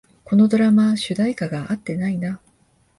このドラマ、主題歌が合ってないな